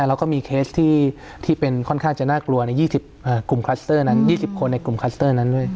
เราก็มีเคสที่เป็นค่อนข้างจะน่ากลัวใน๒๐คนในกลุ่มคลัสเตอร์นั้นด้วย